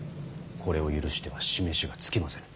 これを許しては示しがつきませぬ。